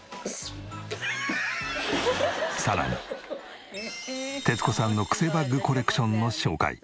さらに徹子さんのクセバッグコレクションの紹介。